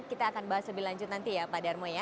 kita akan bahas lebih lanjut nanti ya pak darmo ya